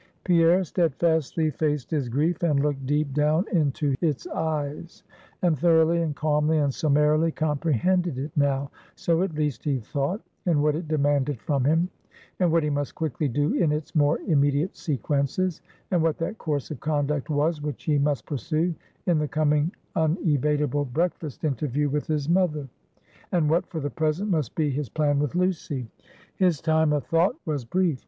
Pierre steadfastly faced his grief, and looked deep down into its eyes; and thoroughly, and calmly, and summarily comprehended it now so at least he thought and what it demanded from him; and what he must quickly do in its more immediate sequences; and what that course of conduct was, which he must pursue in the coming unevadable breakfast interview with his mother; and what, for the present must be his plan with Lucy. His time of thought was brief.